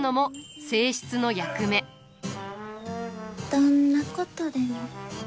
どんなことでも。